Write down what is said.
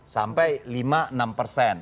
sampai lima enam persen